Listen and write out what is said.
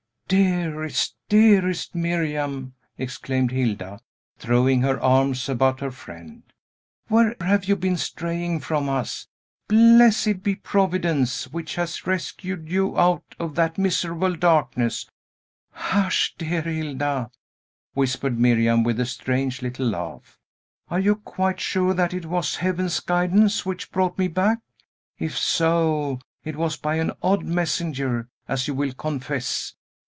"Dearest, dearest Miriam," exclaimed Hilda, throwing her arms about her friend, "where have you been straying from us? Blessed be Providence, which has rescued you out of that miserable darkness!" "Hush, dear Hilda!" whispered Miriam, with a strange little laugh. "Are you quite sure that it was Heaven's guidance which brought me back? If so, it was by an odd messenger, as you will confess.